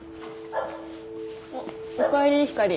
おかえりひかり。